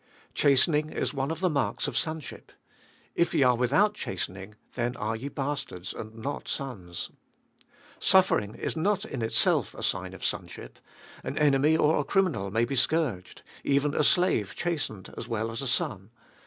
Chastening is one of the marks of sonship. If ye are without chastening, then are ye bastards and not sons. Suffering is not in itself a sign of sonship. An enemy or a criminal may be scourged; even a slave chastened as well as a son.